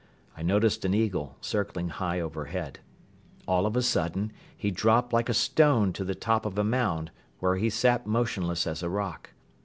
I noticed an eagle circling high overhead. All of a sudden he dropped like a stone to the top of a mound, where he sat motionless as a rock.